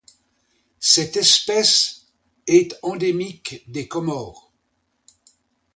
Cette espèce est est endémique des Comores.